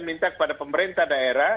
minta kepada pemerintah daerah